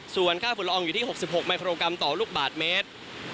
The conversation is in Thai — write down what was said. ส่วนค่าฝุ่นละอองอยู่ที่๖๖มิโครกรัมต่อลูกบาทเมตร